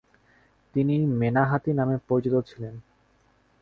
তিনি মেনা হাতি নামে পরিচিত ছিলেন।